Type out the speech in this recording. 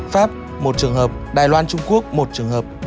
pháp một trường hợp đài loan trung quốc một trường hợp